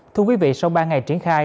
thưa quý vị sau ba ngày triển khai